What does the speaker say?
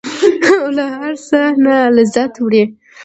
او له هر څه نه لذت وړي.